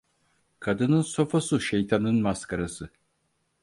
Kadının sofusu, şeytanın maskarası.